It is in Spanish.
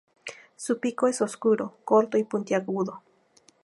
Su pico es oscuro, corto y puntiagudo.